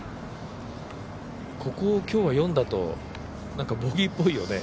ここを今日は４だと、ボギーっぽいよね。